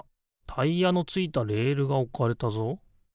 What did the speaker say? タイヤのついたレールがおかれたぞ。